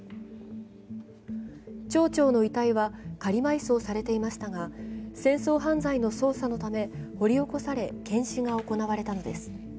町長の遺体は仮埋葬されていましたが戦争犯罪の捜査のため掘り起こされ、検視が行われたのです。